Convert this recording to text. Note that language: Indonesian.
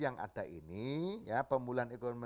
yang ada ini ya pemulihan ekonomi